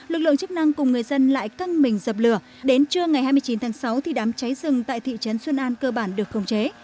lực lượng chức năng cùng người dân lại căng mình dập lửa đến trưa ngày hai mươi chín tháng sáu thì đám cháy rừng tại thị trấn xuân an cơ bản được khống chế